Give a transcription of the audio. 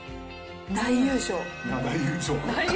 大優勝？